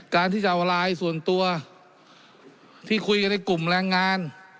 การที่จะเอาไลน์ส่วนตัวที่คุยกันในกลุ่มแรงงาน